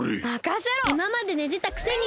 いままでねてたくせに！